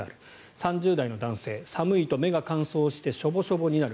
３０代の男性寒いと目が乾燥してショボショボになる。